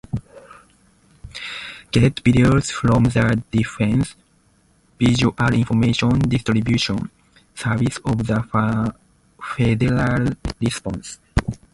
Get videos from the Defense Visual Information Distribution Service of the federal response.